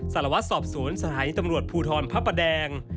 สารวัตรสอบสวนสถานีตำรวจภูทรพระประแดง